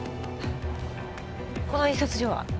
この印刷所は？